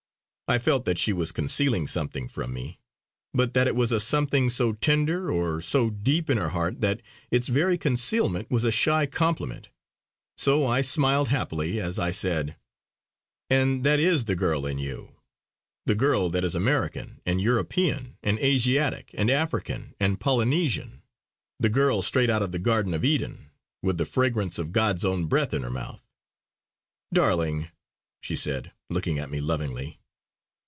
I felt that she was concealing something from me; but that it was a something so tender or so deep in her heart that its very concealment was a shy compliment. So I smiled happily as I said: "And that is the girl in you. The girl that is American, and European, and Asiatic, and African, and Polynesian. The girl straight out of the Garden of Eden, with the fragrance of God's own breath in her mouth!" "Darling!" she said, looking at me lovingly.